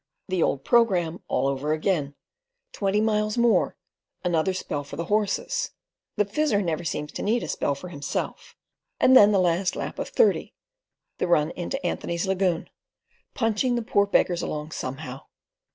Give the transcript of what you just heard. The old programme all over again. Twenty miles more, another spell for the horses (the Fizzer never seems to need a spell for himself), and then the last lap of thirty, the run into Anthony's Lagoon, "punching the poor beggars along somehow."